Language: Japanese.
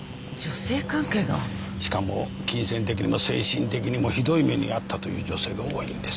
しかも金銭的にも精神的にもひどい目に遭ったという女性が多いんです。